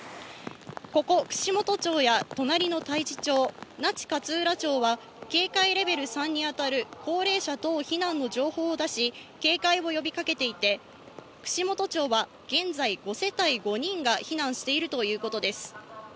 ここ串本町や隣の太地町、那智勝浦町は警戒レベル３にあたる高齢者等避難の情報を出し、警戒を呼びかけていて、串本町では現在、５世帯５人が避難しているということです。